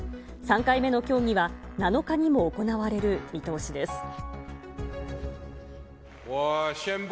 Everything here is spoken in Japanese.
３回目の協議は、７日にも行われる見通しです。